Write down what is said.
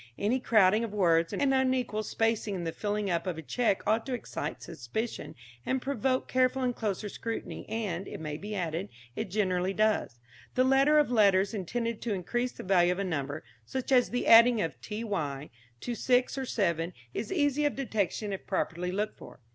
Any crowding of words and unequal spacing in the filling up of a cheque ought to excite suspicion and provoke careful and closer scrutiny, and, it may be added, it generally does. The addition of letters intended to increase the value of a number, such as the adding of ty to six or seven, is easy of detection if properly looked for.